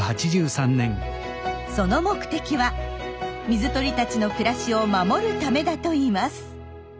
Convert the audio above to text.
その目的は水鳥たちの暮らしを守るためだといいます。